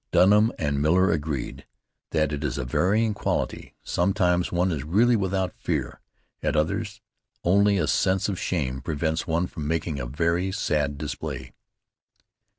Dunham and Miller agreed that it is a varying quality. Sometimes one is really without fear; at others only a sense of shame prevents one from making a very sad display.